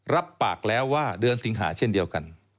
รับปากแล้วว่าเดือนสิงหาเช่นเดียวกัน